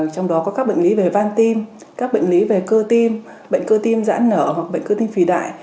trong đó có các bệnh lý về van tim các bệnh lý về cơ tim bệnh cơ tim giãn nở hoặc bệnh cơ tim phì đại